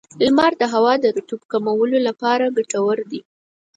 • لمر د هوا د رطوبت د کمولو لپاره ګټور دی.